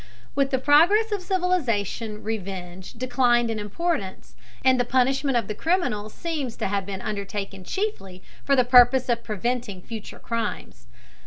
With the progress of civilization revenge declined in importance, and the punishment of the criminal seems to have been undertaken chiefly for the purpose of preventing future crimes.